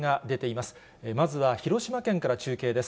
まずは広島県から中継です。